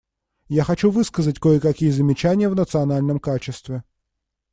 Я хочу высказать кое-какие замечания в национальном качестве.